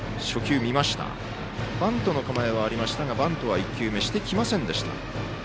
バントの構えはありましたがバントは１球目してきませんでした。